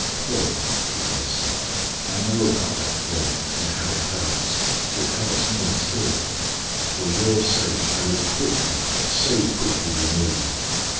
"Paul," the voice said, "I know about that thorn and how it hurts it hurts Me, too. For your sake, I would quickly, so quickly remove it.